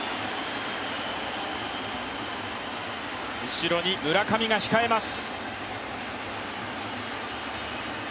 後ろに村上が控えます。